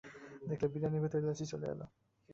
দেখলে, বিরিয়ানির ভিতরে এলাচি চলে এলো।